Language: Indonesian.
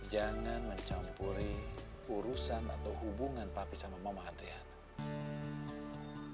jangan mencampuri urusan atau hubungan papi sama mama adriana